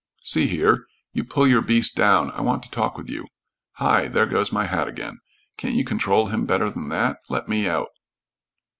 "See here! You pull your beast down, I want to talk with you. Hi! There goes my hat again. Can't you control him better than that? Let me out."